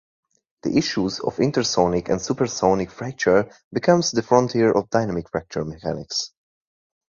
The issues of intersonic and supersonic fracture become the frontier of dynamic fracture mechanics.